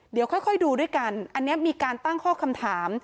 เดี๋ยวค่อยดูด้วยกันอันนี้มีการตั้งข้อคำถาม